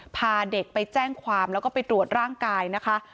พาเด็กไปแจ้งความแล้วก็ไปตรวจร่างกายนะคะ